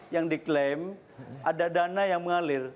yang diklaim ada dana yang mengalir